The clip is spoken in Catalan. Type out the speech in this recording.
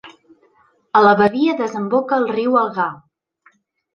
A la badia desemboca el riu Algar.